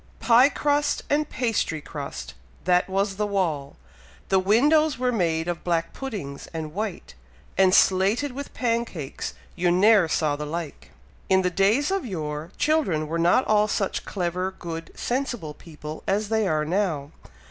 "Pie crust and pastry crust, that was the wall; The windows were made of black puddings and white, And slated with pancakes you ne'er saw the like!" In the days of yore, children were not all such clever, good sensible people as they are now!